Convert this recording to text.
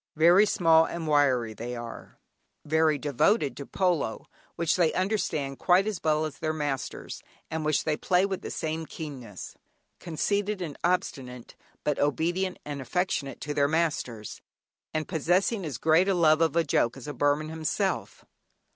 Very small and wiry are they, very devoted to polo (which they understand quite as well as their masters, and which they play with the same keenness); conceited and obstinate; but obedient and affectionate to their masters, and possessing as great a love of a joke as a Burman himself.